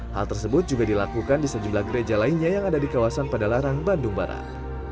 hal tersebut juga dilakukan di sejumlah gereja lainnya yang ada di kawasan padalarang bandung barat